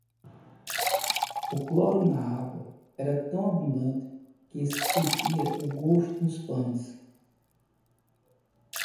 O cloro na água era tão abundante que se sentia o gosto nos pães.